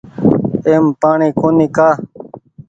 ايم پآڻيٚ ڪونيٚ ڪآ